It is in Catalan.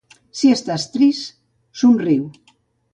Si estàs trist, somriu.